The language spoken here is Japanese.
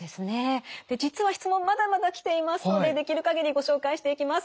実は質問まだまだ来ていますのでできる限りご紹介していきます。